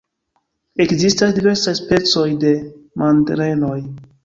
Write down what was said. Ekzistas diversaj specoj de mandrenoj.